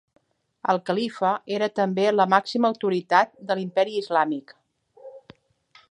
El califa era també la màxima autoritat de l'imperi islàmic.